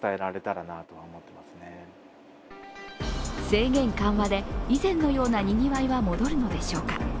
制限緩和で以前のようなにぎわいは戻るのでしょうか。